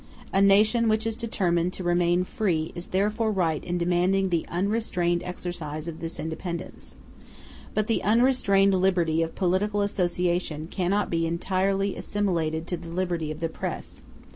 A nation which is determined to remain free is therefore right in demanding the unrestrained exercise of this independence. But the unrestrained liberty of political association cannot be entirely assimilated to the liberty of the press.